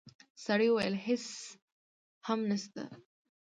سړی وویل: هیڅ هم نشته.